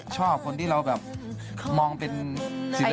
เพราะว่าใจแอบในเจ้า